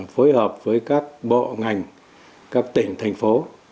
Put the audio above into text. phối hợp với các bộ ngành các tỉnh thành phố